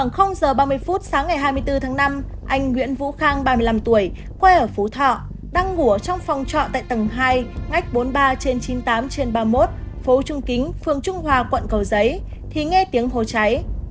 khoảng giờ ba mươi phút sáng ngày hai mươi bốn tháng năm anh nguyễn vũ khang ba mươi năm tuổi quê ở phú thọ đang ngủ trong phòng trọ tại tầng hai ngách bốn mươi ba trên chín mươi tám trên ba mươi một phố trung kính phường trung hòa quận cầu giấy thì nghe tiếng hồ cháy